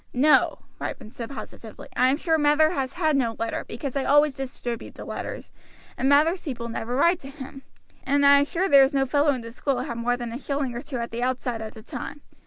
"No," Ripon said positively, "I am sure Mather has had no letter, because I always distribute the letters, and Mather's people never write to him; and I am sure there was no fellow in the school had more than a shilling or two at the outside at that time.